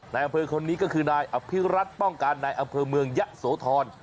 นายอำเภอคนนี้ก็คือนายอภิรัตนป้องกันนายอำเภอเมืองยะโสธร